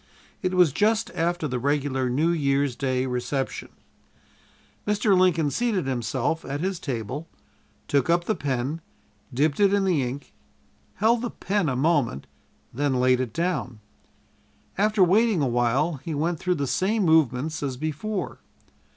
It was just after the regular New Year's Day reception. Mr. Lincoln seated himself at his table, took up the pen, dipped it in the ink, held the pen a moment, then laid it down. After waiting a while he went through the same movements as before.